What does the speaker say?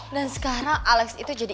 dan sekarang alex itu jadi